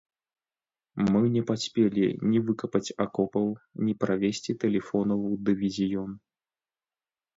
Мы не паспелі ні выкапаць акопаў, ні правесці тэлефону ў дывізіён.